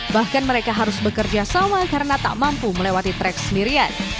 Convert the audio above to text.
bahkan mereka harus bekerja sama karena tak mampu melewati trek sendirian